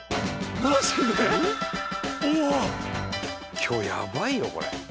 今日やばいよこれ。